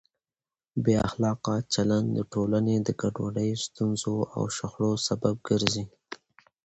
بې اخلاقه چلند د ټولنې د ګډوډۍ، ستونزو او شخړو سبب ګرځي.